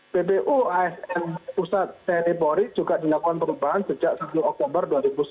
ppu asn pusat tni polri juga dilakukan perubahan sejak satu oktober dua ribu sembilan belas